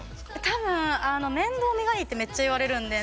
多分面倒見がいいってめっちゃ言われるんで。